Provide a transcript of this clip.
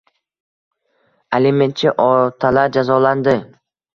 Alimentchi otalar jozalanding